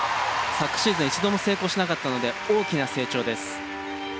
昨シーズン一度も成功しなかったので大きな成長です。